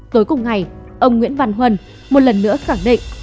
tối cùng ngày ông nguyễn văn huân một lần nữa khẳng định